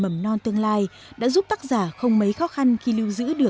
một tí không sao